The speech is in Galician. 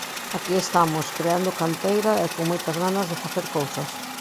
Aquí estamos, creando canteira e con moitas ganas de facer cousas.